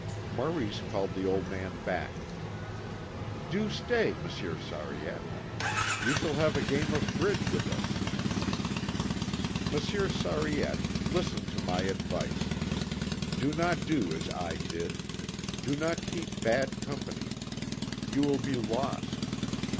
Maurice called the old man back. "Do stay, Monsieur Sariette. You shall have a game of bridge with us. Monsieur Sariette, listen to my advice. Do not do as I did do not keep bad company. You will be lost.